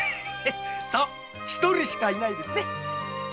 そう一人しかいないよな。